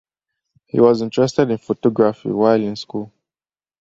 He was interested in photography while in school.